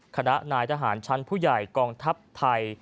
คณะนายทหารชั้นผู้ใหญ่กองทัพไทย